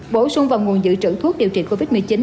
bổ sung vào nguồn dự trữ thuốc điều trị covid một mươi chín